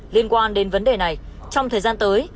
liên quan đến vấn đề này trong thời gian tới